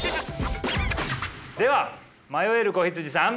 では迷える子羊さん。